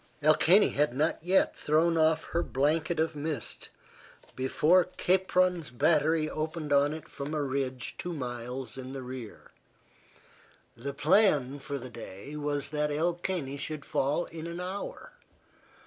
El Caney had not yet thrown off her blanket of mist before Capron's battery opened on it from a ridge two miles in the rear. The plan for the day was that El Caney should fall in an hour.